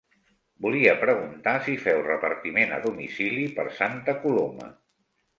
Volia preguntar si feu repartiment a domicili per Santa Coloma?